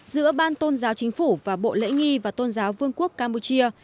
giữa ban tôn giáo chính phủ và bộ lễ nghi và tôn giáo vương quốc campuchia